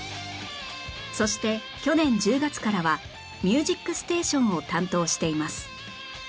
そして去年１０月からは『ミュージックステーション』を担当しています